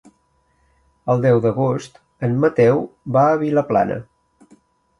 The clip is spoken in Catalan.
El deu d'agost en Mateu va a Vilaplana.